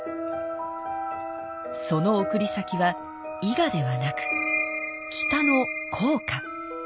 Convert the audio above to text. その送り先は伊賀ではなく北の甲賀。